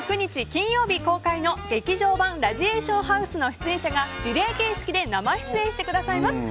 金曜日公開の「劇場版ラジエーションハウス」の出演者がリレー形式で生出演してくださいます。